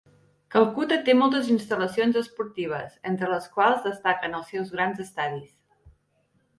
Calcuta té moltes instal·lacions esportives, entre les quals destaquen els seus grans estadis.